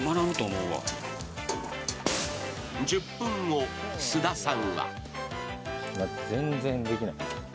［１０分後菅田さんは］